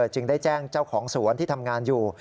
จึงได้แจ้งเจ้าของสวนที่ทำงานอยู่